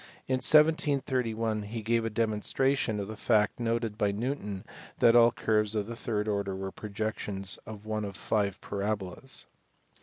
In 1731 he gave a demonstration of the fact noted by Newton that all curves of the third order were projections of one of five parabolas.